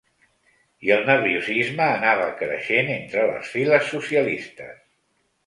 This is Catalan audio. I el nerviosisme anava creixent entre les files socialistes.